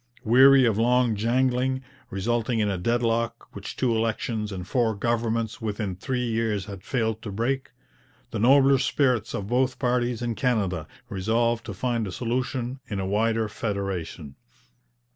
Weary of long jangling, resulting in a deadlock which two elections and four governments within three years had failed to break, the nobler spirits of both parties in Canada resolved to find a solution in a wider federation.